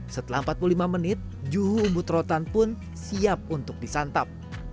setelah empat puluh lima menit juhu umbut rotan pun siap untuk disantap